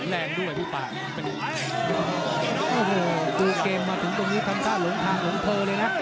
ไล่แขนมาถึงตรงนี้ทำกล้ายลงทางลงโทรเลยนะ